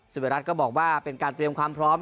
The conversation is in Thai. วิรัติก็บอกว่าเป็นการเตรียมความพร้อม